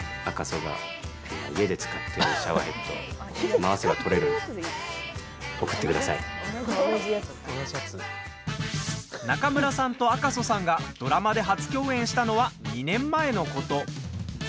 回せば取れるので中村さんと赤楚さんがドラマで初共演したのは２年前のこと。